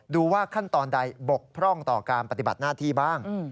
ดูว่าขั้นตอนใดบกพร่องต่อการปฏิบัติหน้าที่บ้าง